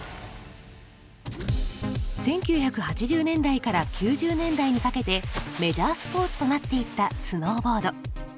１９８０年代から９０年代にかけてメジャースポーツとなっていったスノーボード。